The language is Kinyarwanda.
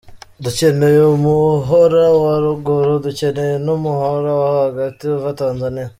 Dukeneye umuhora wa Ruguru, dukeneye n’umuhora wo hagati uva Tanzania.